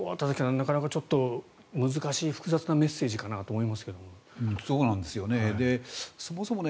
なかなかちょっと難しい複雑なメッセージかなと思いますが。